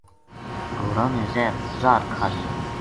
گھوڑاں نے زہر کھا لیو